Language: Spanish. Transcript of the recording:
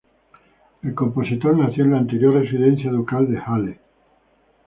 El compositor nació en la anterior residencia ducal de Halle.